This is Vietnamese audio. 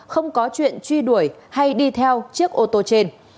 không có chuyện truy đuổi hay đi theo chiếc ô tô trên